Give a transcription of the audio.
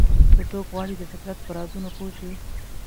که څوک غواړي د فطرت په رازونو پوه شي.